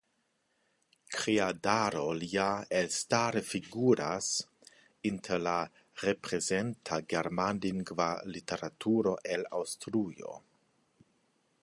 Kreadaro lia elstare figuras inter la reprezenta germanlingva literaturo el Aŭstrujo.